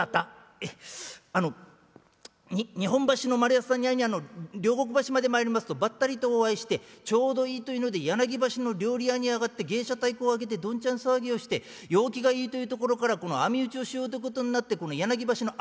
「ええあのに日本橋の丸安さんに会いに両国橋まで参りますとばったりとお会いしてちょうどいいというので柳橋の料理屋にあがって芸者太鼓をあげてどんちゃん騒ぎをして陽気がいいというところからこの網打ちをしようということになってこの柳橋の網